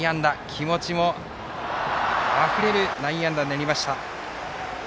気持ちもあふれる内野安打になりました。